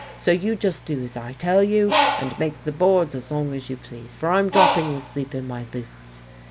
So you just do as I tell you and make the boards as long as you please, for I'm dropping with sleep in my boots.